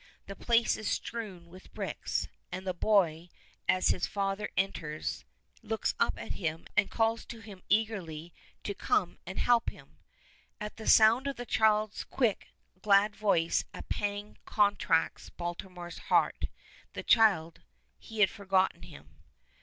The place is strewn with bricks, and the boy, as his father enters, looks up at him and calls to him eagerly to come and help him. At the sound of the child's quick, glad voice a pang contracts Baltimore's heart. The child He had forgotten him.